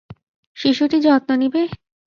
শিশুটির যত্ন নিবে?